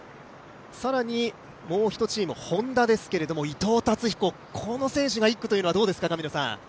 更に、もう１チーム、Ｈｏｎｄａですけれども、伊藤達彦が１区というのはどうですか？